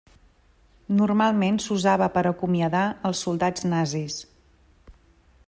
Normalment s'usava per acomiadar als soldats nazis.